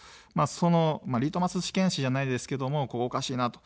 そのリトマス試験紙じゃないですけど、ここおかしいなと。